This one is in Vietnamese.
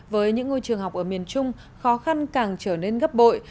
với những ngôi trường học ở miền trung khó khăn càng trở nên gấp bội